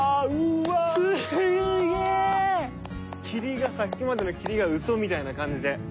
霧がさっきまでの霧がウソみたいな感じで。